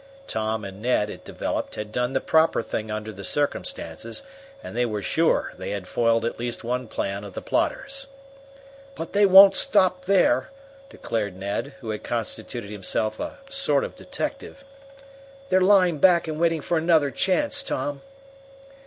Tom and Ned, it developed, had done the proper thing under the circumstances, and they were sure they had foiled at least one plan of the plotters. "But they won't stop there," declared Ned, who had constituted himself a sort of detective. "They're lying back and waiting for another chance, Tom."